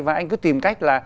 và anh cứ tìm cách là